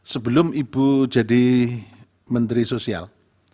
sebelum ibu jadi menteri sosial